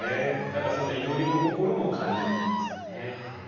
何かそんな祈りの心も感じる句でしたね。